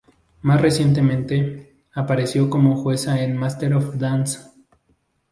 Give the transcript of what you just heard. Más recientemente, apareció como jueza en "Master of Dance".